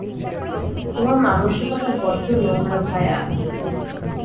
তোমার মানসিকতা বড্ড নোংরা, ভায়া।